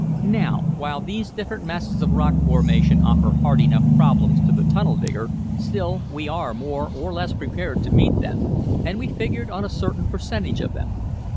"Now while these different masses of rock formation offer hard enough problems to the tunnel digger, still we are more or less prepared to meet them, and we figured on a certain percentage of them.